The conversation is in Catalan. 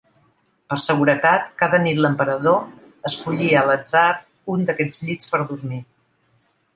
Per seguretat, cada nit l'Emperador escollia a l'atzar un d'aquests llits per dormir.